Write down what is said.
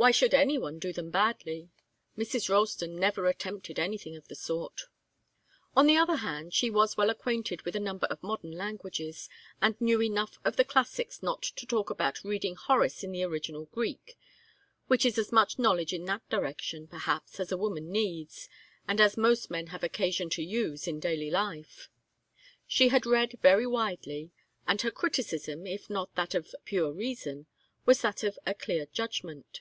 Why should any one do them badly? Mrs. Ralston never attempted anything of the sort. On the other hand, she was well acquainted with a number of modern languages, and knew enough of the classics not to talk about 'reading Horace in the original Greek,' which is as much knowledge in that direction, perhaps, as a woman needs, and as most men have occasion to use in daily life. She had read very widely, and her criticism, if not that of pure reason, was that of a clear judgment.